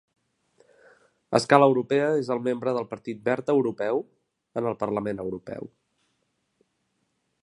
A escala europea, és membre del Partit Verd Europeu en el Parlament Europeu.